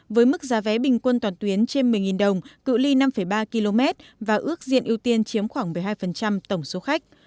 với mức giá vé bình quân toàn tuyến trên một mươi đồng cự li năm ba km và ước diện ưu tiên chiếm khoảng một mươi hai tổng số khách